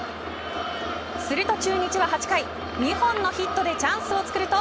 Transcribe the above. すると中日は８回、２本のヒットでチャンスをつくると。